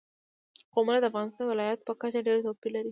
قومونه د افغانستان د ولایاتو په کچه ډېر توپیر لري.